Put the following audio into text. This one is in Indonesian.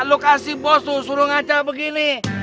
lo kasih bos lo suruh ngaca begini